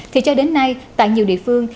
thì cho đến nay tại nhiều địa phương